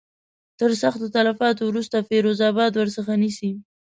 تر سختو تلفاتو وروسته فیروز آباد ورڅخه نیسي.